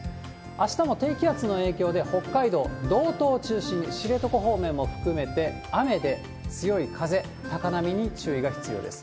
あしたも低気圧の影響で、北海道、道東を中心に、知床方面も含めて雨で、強い風、高波に注意が必要です。